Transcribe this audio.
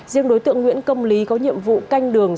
riêng đối tượng nguyễn công lý có nhiệm vụ canh đường